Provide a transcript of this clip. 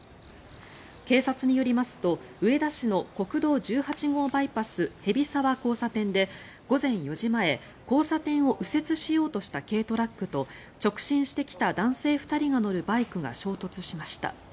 警察によりますと、上田市の国道１８号バイパス蛇沢交差点で午前４時前、交差点を右折しようとした軽トラックと直進してきた男性２人が乗るバイクが衝突しました。